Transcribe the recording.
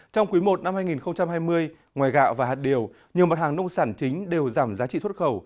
trong quý i năm hai nghìn hai mươi ngoài gạo và hạt điều nhiều mặt hàng nông sản chính đều giảm giá trị xuất khẩu